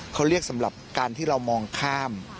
เขาเรียกสำหรับการที่เรามองข้าม